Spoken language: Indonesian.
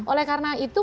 oleh karena itu